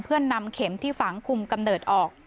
เพื่อนำเข็มที่ฝังคุมกำเนิดออก